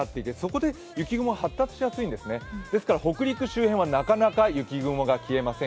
ですから、北陸周辺ではなかなか雪雲が消えません。